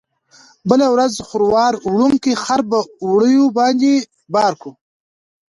بله ورځ خروار وړونکي خر په وړیو بار کړ.